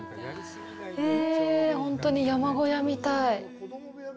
え、本当に山小屋みたい。